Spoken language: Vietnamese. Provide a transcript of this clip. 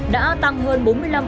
đã tăng hơn bốn mươi năm